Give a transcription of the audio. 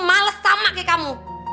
males sama ke kamu